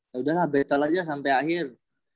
yaudahlah battle aja sampe akhir